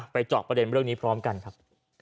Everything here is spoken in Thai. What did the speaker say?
เจาะประเด็นเรื่องนี้พร้อมกันครับ